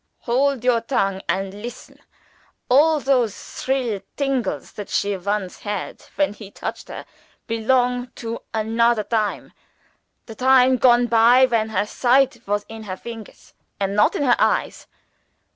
_ Hold your tongue and listen. All those thrill tingles that she once had when he touched her, belong to anodder time the time gone by when her sight was in her fingers and not in her eyes.